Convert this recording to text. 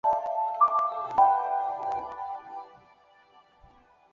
福建绣球为虎耳草科绣球属下的一个种。